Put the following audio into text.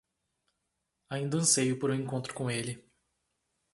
Ainda anseio por um encontro com ele.